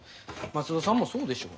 松戸さんもそうでしょ？